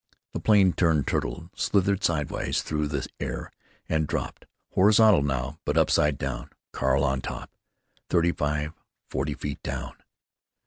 The plane turned turtle, slithered sidewise through the air, and dropped, horizontal now, but upside down, Carl on top. Thirty five, forty feet down.